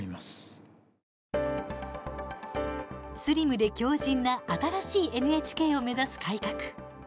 スリムで強じんな新しいＮＨＫを目指す改革。